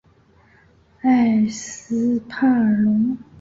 埃斯帕尔龙。